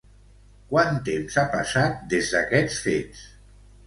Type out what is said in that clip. Quant temps ha passat des d'aquests fets?